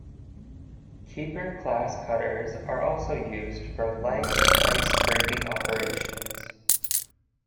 Keeper-class cutters are also used for light ice breaking operations.